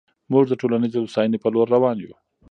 موږ د ټولنیزې هوساینې په لور روان یو.